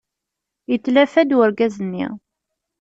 Yetlafa-d urgaz-nni.